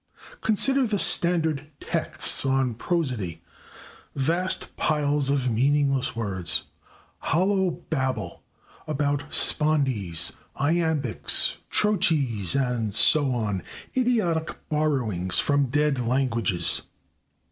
Consider the standard texts on prosody vast piles of meaningless words hollow babble about spondees, iambics, trochees and so on idiotic borrowings from dead languages.